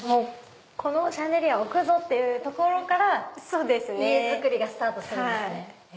このシャンデリアを置くぞ！っていうところから家造りがスタートするんですね。